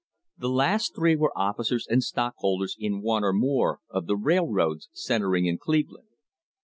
The last three were officers and stockholders in one or more of the railroads centring in Cleveland.